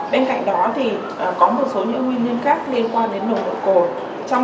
bên cạnh đó thì có một số những nguyên nhân khác liên quan đến nồng độ cồn